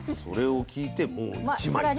それを聞いてもう１枚。